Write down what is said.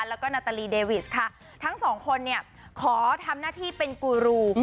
แล้วก็นาตาลีเดวิสค่ะทั้งสองคนเนี่ยขอทำหน้าที่เป็นกูรู